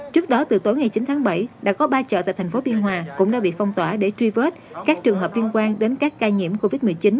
trước đó từ tối ngày chín tháng bảy đã có ba chợ tại thành phố biên hòa cũng đã bị phong tỏa để truy vết các trường hợp liên quan đến các ca nhiễm covid một mươi chín